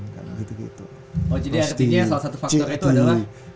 oh jadi artinya salah satu faktor itu adalah